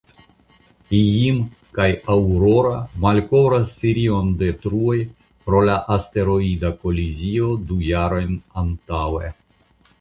Jim kaj Aurora malkovras serion de truoj pro la asteroida kolizio du jarojn antaŭe.